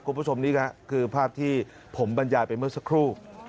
คุณผู้ชมนี่ก็คือภาพที่ผมบรรยายไปเมื่อสักครู่